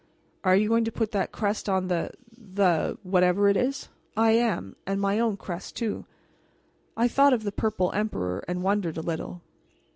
"Are you going to put that crest on the the whatever it is?" "I am; and my own crest, too." I thought of the Purple Emperor and wondered a little.